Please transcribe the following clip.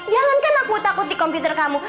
jangan kan aku takut di komputer kamu